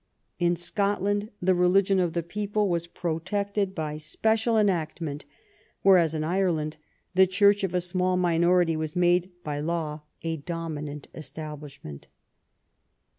In Scotland the religion of the people was protected by special enactment,^ whereas in Ireland the Church of a small minority was made by law a dominant establishment.